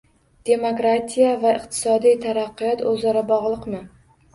Demokratiya va iqtisodiy taraqqiyot oʻzaro bogʻliqmi?